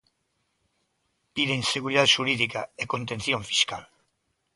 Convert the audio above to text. Piden seguridade xurídica e contención fiscal.